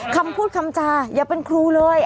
คำพูดคำจาอย่าเป็นครูเลย